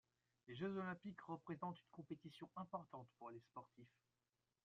Les jeux olympiques représentent une compétition importante pour les sportifs.